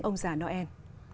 ông già noel